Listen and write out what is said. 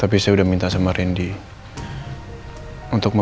apa aja yang perempuan itu yang lusa